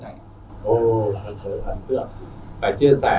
ô thật thật thật thật thật